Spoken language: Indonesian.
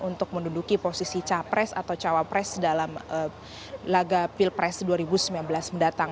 untuk menduduki posisi capres atau cawapres dalam laga pilpres dua ribu sembilan belas mendatang